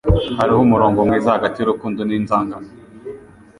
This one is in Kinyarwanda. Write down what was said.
Hariho umurongo mwiza hagati y'urukundo n'inzangano.